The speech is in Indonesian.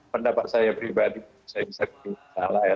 pendapat saya pribadi saya bisa salah ya